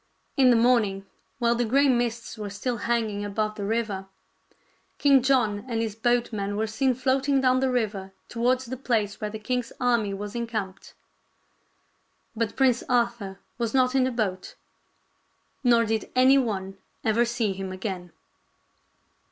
In the morning while the gray mists were still hanging above the river, King John and his boat man were seen floating down the river towards the place where the king's army was encamped. But Prince Arthur was not in the boat ; nor did anyone ever see him again.